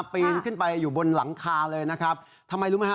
ปีนขึ้นไปอยู่บนหลังคาเลยนะครับทำไมรู้ไหมฮะ